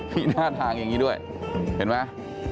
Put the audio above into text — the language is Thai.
หน้าทางอย่างนี้ด้วยเห็นไหม